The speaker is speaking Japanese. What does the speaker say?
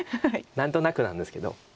何となくなんですけど。